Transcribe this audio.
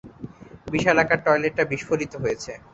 বিশালাকার টয়লেটটা বিস্ফোরিত হয়েছে।